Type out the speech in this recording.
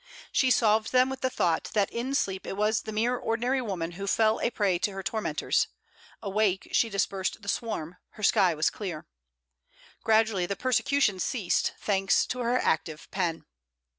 She solved them with the thought that in sleep it was the mere ordinary woman who fell a prey to her tormentors; awake, she dispersed the swarm, her sky was clear. Gradually the persecution ceased, thanks to her active pen.